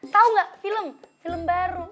tau gak film film baru